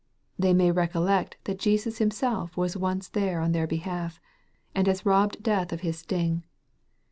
They may recollect that Jesus himself was once there on thir behalf, and has robbed death of his sting.